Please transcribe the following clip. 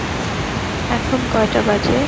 এখন কয়টা বাজে?